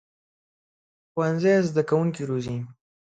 ښوونځی زده کوونکي روزي